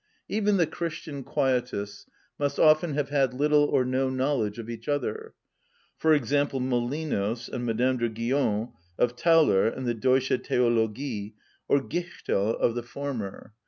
(49) Even the Christian quietists must often have had little or no knowledge of each other; for example, Molinos and Madame de Guion of Tauler and the "Deutsche Theologie," or Gichtel of the former.